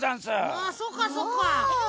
ああそっかそっか。